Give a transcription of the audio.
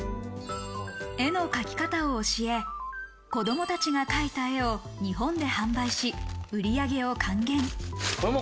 絵の描き方を教え、子供たちが描いた絵を日本で販売し、売上を還元。